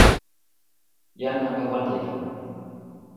jan nanpa wan li lon.